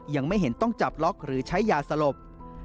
ยังไม่เห็นต้องจับล็อกหรือใช้ยาสลบ